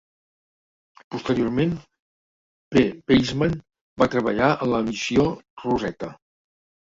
Posteriorment, P. Weissman va treballar en la missió Rosetta.